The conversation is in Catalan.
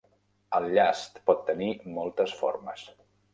El llast pot tenir moltes formes.